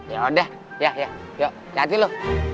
yaudah ya ya yuk siapin lu